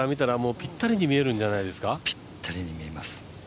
ぴったりに見えます。